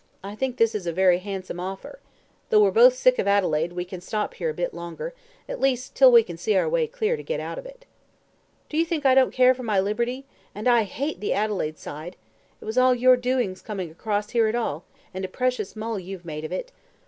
I think this is a very handsome offer. Though we're both sick of Adelaide, we can stop here a bit longer at least, till we can see our way clear to get out of it." "Do you think I don't care for my liberty? and I hate the Adelaide side. It was all your doings coming across here at all, and a precious mull you've made of it.